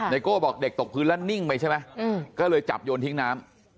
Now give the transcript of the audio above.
โก้บอกเด็กตกพื้นแล้วนิ่งไปใช่ไหมก็เลยจับโยนทิ้งน้ำ